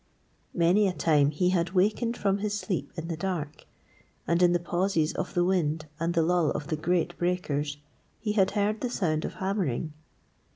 Many a time he had wakened from his sleep in the dark, and, in the pauses of the wind and the lull of the great breakers, he had heard the sound of hammering.